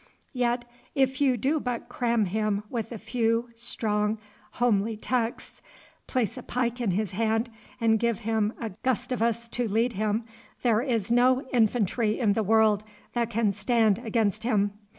Yet if you do but cram him with a few strong, homely texts, place a pike in his hand, and give him a Gustavus to lead him, there is no infantry in the world that can stand against him.